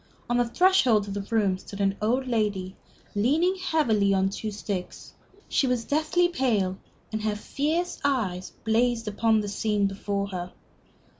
On the threshold of the room stood an old lady, leaning heavily on two sticks. She was deathly pale, and her fierce eyes blazed upon the scene before her.